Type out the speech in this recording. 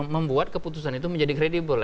membuat keputusan itu menjadi kredibel